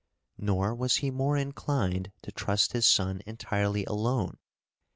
Nor was he more inclined to trust his son entirely alone.